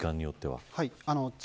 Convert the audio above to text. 時間によっては。